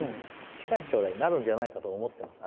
近い将来なるんじゃないかと思ってます。